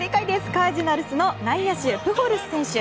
カージナルスの内野手プホルス選手。